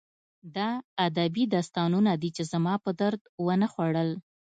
دا ادبي داستانونه دي چې زما په درد ونه خوړل